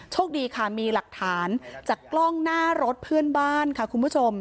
โชคดีค่ะมีหลักฐานจากกล้องหน้ารถเพื่อนบ้านค่ะคุณผู้ชม